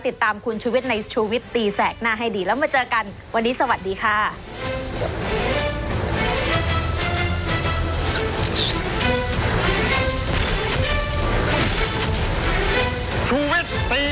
โรงพยาบาลราชทันทีที่สุดท้ายโรงพยาบาลราชทันทีที่สุดท้าย